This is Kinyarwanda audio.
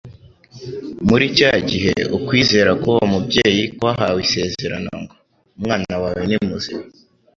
Muri cya gihe ukwizera k'uwo mubyeyi kwahawe isezerano ngo: Umwana wawe ni muzima»,